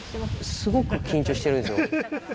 すごく緊張してるんですよ。